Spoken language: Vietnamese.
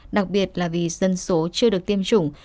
đặc biệt là vì dân số chưa được tiêm chủng